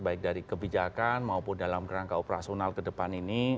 baik dari kebijakan maupun dalam rangka operasional ke depan ini